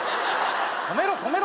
止めろ止めろ